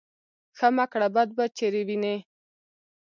ـ ښه مه کړه بد به چېرې وينې.